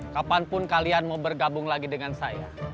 kapanpun kalian mau bergabung lagi dengan saya